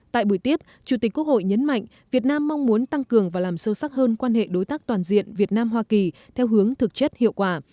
tại buổi tiếp chủ tịch quốc hội nhấn mạnh việt nam mong muốn tăng cường và làm sâu sắc hơn quan hệ đối tác toàn diện việt nam hoa kỳ theo hướng thực chất hiệu quả